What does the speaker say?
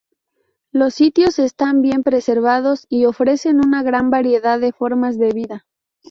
Los sitios están bien preservados y ofrecen una gran variedad de formas de vida.